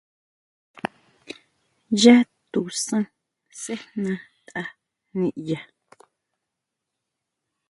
Yá tusan sejna tʼa niʼya.